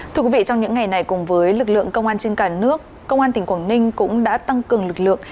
thưa quý vị trong những ngày này cùng với lực lượng công an trên cả nước công an tỉnh quảng ninh cũng đã tăng cường lực lượng